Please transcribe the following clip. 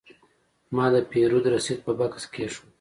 ما د پیرود رسید په بکس کې کېښود.